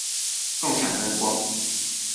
共享燈光